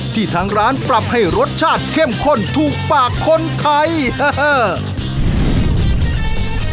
ทางร้านปรับให้รสชาติเข้มข้นถูกปากคนไทย